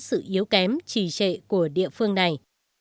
sự yếu kém trì trệ của địa phương này